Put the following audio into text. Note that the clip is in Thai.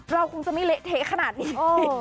เราคงจะไม่เละเทะขนาดนี้